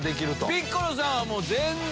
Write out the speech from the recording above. ピッコロさんは全然。